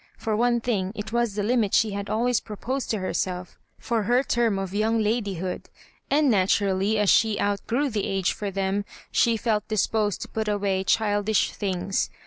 For one thing, it was the limit she had always proposed to herself for her term of young ladyhood ; and naturally, as she outgrew the age for them, she felt disposed to put away childish things.